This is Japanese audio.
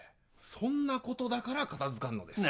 そんな事だから片づかんのです。